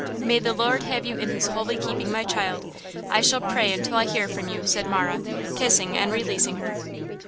"May the Lord have you in His holy keeping, my child! I shall pray until I hear from you!" said Marah, kissing and releasing her.